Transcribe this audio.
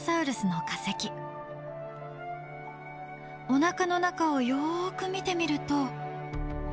おなかの中をよく見てみると。